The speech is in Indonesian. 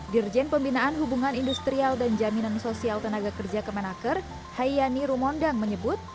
dirjen pembinaan hubungan industrial dan jaminan sosial tenaga kerja kemenaker hayani rumondang menyebut